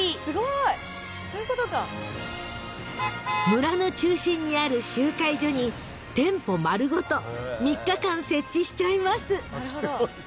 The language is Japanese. ［村の中心にある集会所に店舗丸ごと３日間設置しちゃいます］